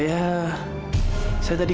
jadi coach saya ada